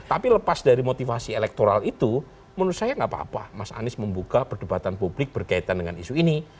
tapi lepas dari motivasi elektoral itu menurut saya nggak apa apa mas anies membuka perdebatan publik berkaitan dengan isu ini